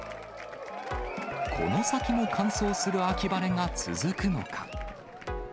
この先も乾燥する秋晴れが続くのか。